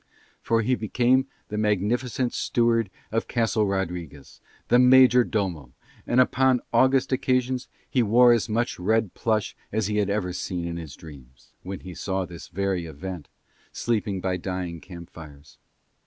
For he became the magnificent steward of Castle Rodriguez, the majordomo, and upon august occasions he wore as much red plush as he had ever seen in his dreams, when he saw this very event, sleeping by dying camp fires.